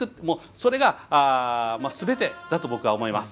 それがすべてだと僕は思います。